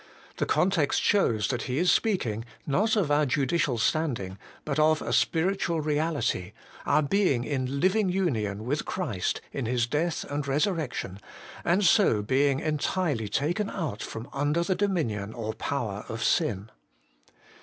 The context shows that he is speaking, not of our judicial standing, but of a spiritual reality, our being in living union with Christ in His death and resur rection, and so being entirely taken out from under the dominion or power of sin.